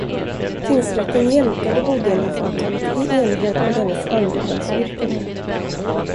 Tingsrätten jämkade bodelningsavtalet i enlighet med dennes andrahandsyrkande.